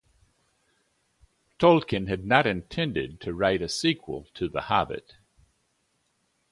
Tolkien had not intended to write a sequel to "The Hobbit".